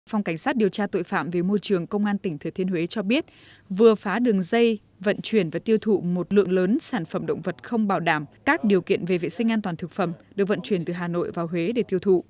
phòng cảnh sát điều tra tội phạm về môi trường công an tỉnh thừa thiên huế cho biết vừa phá đường dây vận chuyển và tiêu thụ một lượng lớn sản phẩm động vật không bảo đảm các điều kiện về vệ sinh an toàn thực phẩm được vận chuyển từ hà nội vào huế để tiêu thụ